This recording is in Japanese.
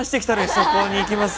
そこにいきます？